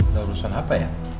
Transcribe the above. darusan apa ya